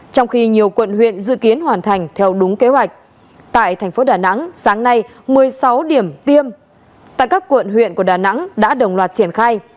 trong khi nhiều quận huyện dự kiến hoàn thành theo đúng kế hoạch tại tp hcm sáng nay một mươi sáu điểm tiêm tại các quận huyện của đà nẵng đã đồng loạt triển khai